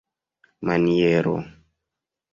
maniero